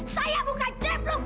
saya bukan cipluk tau